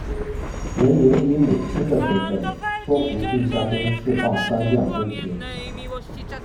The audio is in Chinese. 文嬴以母亲的身分说服晋襄公释放三将归秦。